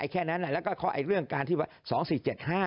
แค่นั้นแล้วก็ข้ออีกเรื่องการที่ว่า